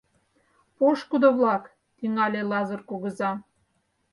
— Пошкудо-влак! — тӱҥале Лазыр кугыза.